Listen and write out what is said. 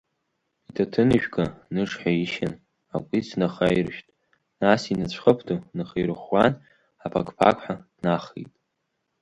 Иҭаҭыныжәга ныҽҳәишьын, акәиц нахаиршәт, нас инацәхыԥ ду нахаирӷәӷәан, апақ-апақҳәа днахеит.